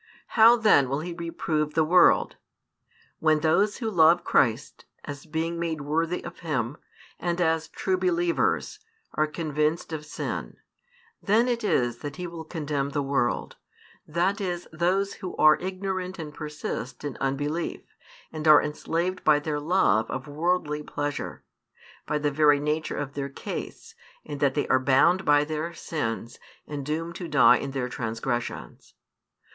How then will He reprove the world? When those who love Christ, as being made worthy of Him, and as true believers, are convinced of sin, then it is that He will condemn the world, that is those who are ignorant and persist in |445 unbelief, and are enslaved by their love of worldly pleasure, by the very nature of their case, in that they are bound by their sins and doomed to die in their transgressions.